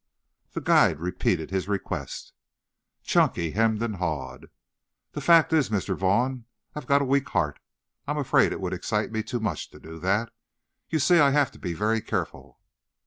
"_ The guide repeated his request. Chunky hemmed and hawed. "The fact is, Mr. Vaughn, I've got a weak heart. I'm afraid it would excite me too much to do that. You see I have to be very careful."